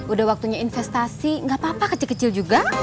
udah waktunya investasi gak apa apa kecil kecil juga